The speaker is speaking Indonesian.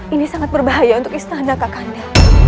ini sangat berbahaya untuk istana kakande